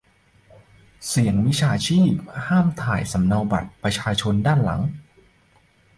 เสี่ยงมิจฉาชีพ ห้ามถ่ายสำเนาบัตรประชาชนด้านหลัง